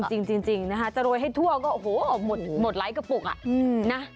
จริงจะโรยให้ทั่วก็โหหมดไร้กระปุกอ่ะ